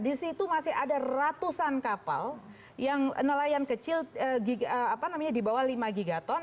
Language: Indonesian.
di situ masih ada ratusan kapal yang nelayan kecil di bawah lima gigaton